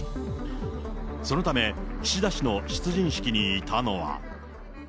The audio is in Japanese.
そのため、岸田氏の出陣式にいたのは。